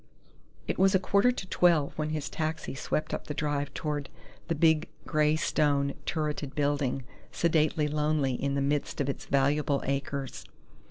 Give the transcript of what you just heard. It was a quarter to twelve when his taxi swept up the drive toward the big grey stone, turreted building, sedately lonely in the midst of its valuable acres.